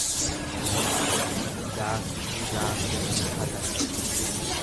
Daaktuu daakuu hin hatan.